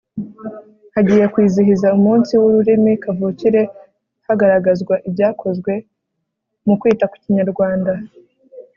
Hagiye kwizihiza umunsi w’ururimi kavukire hagaragazwa ibyakozwe mu kwita ku Kinyarwanda